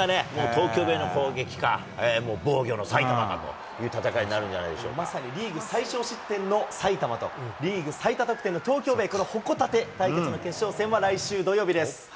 東京ベイの攻撃か、防御の埼玉かという戦いになるんじゃないでしまさにリーグ最少失点の埼玉と、リーグ最多得点の東京ベイ、このほこたて対決の決勝戦は、来週土曜日です。